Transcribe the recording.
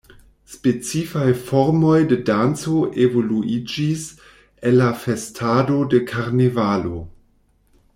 Specifaj formoj de danco evoluiĝis el la festado de karnavalo.